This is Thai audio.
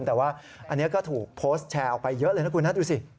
แต่ว่าอันนี้ก็ถูกโพสต์แชร์ออกไปเยอะเลยนะคุณนะดูสิ